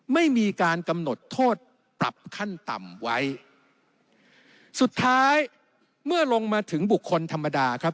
ไม่มีการกำหนดโทษปรับขั้นต่ำไว้สุดท้ายเมื่อลงมาถึงบุคคลธรรมดาครับ